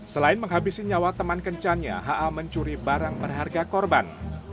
selain menghabisi nyawa teman kencannya ha mencuri barang berharga korban